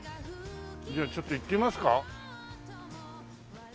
じゃあちょっと行ってみますか。